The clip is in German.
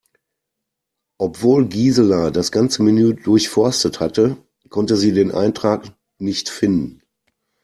Obwohl Gisela das ganze Menü durchforstet hatte, konnte sie den Eintrag nicht finden.